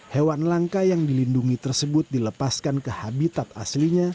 hewan langka yang dilindungi tersebut dilepaskan ke habitat aslinya